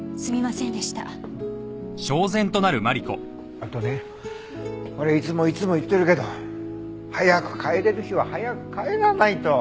あとねこれいつもいつも言ってるけど早く帰れる日は早く帰らないと。